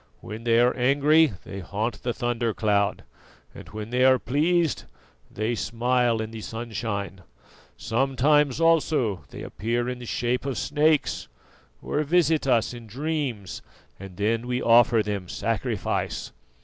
When they are angry they haunt the thunder cloud, and when they are pleased they smile in the sunshine. Sometimes also they appear in the shape of snakes, or visit us in dreams, and then we offer them sacrifice.